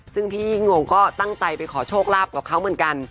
ซึ่งพี่ยิ่งงงก็ตั้งใจไปขอโชคลาภกับเขาเหมือนกัน